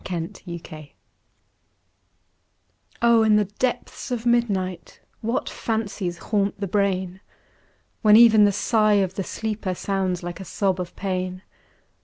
IN THE DARK O In the depths of midnight What fancies haunt the brain! When even the sigh of the sleeper Sounds like a sob of pain.